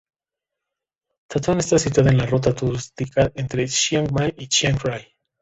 Tha Ton está situada en la ruta turística entre Chiang May y Chiang Ray.